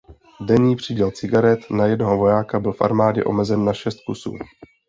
Denní příděl cigaret na jednoho vojáka byl v armádě omezen na šest kusů.